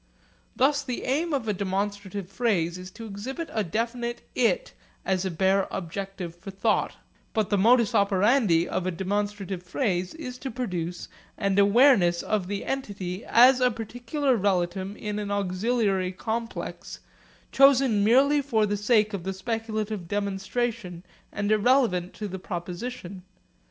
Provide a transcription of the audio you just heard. Thus the aim of a demonstrative phrase is to exhibit a definite 'it' as a bare objective for thought; but the modus operandi of a demonstrative phrase is to produce an awareness of the entity as a particular relatum in an auxiliary complex, chosen merely for the sake of the speculative demonstration and irrelevant to the proposition.